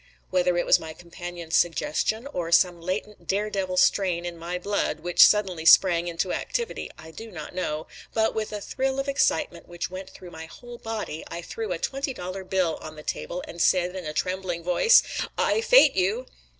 Whether it was my companion's suggestion or some latent dare devil strain in my blood which suddenly sprang into activity I do not know; but with a thrill of excitement which went through my whole body I threw a twenty dollar bill on the table and said in a trembling voice: "I fate you."